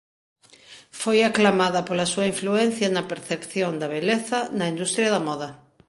Foi aclamada pola súa influencia na percepción da beleza na industria da moda.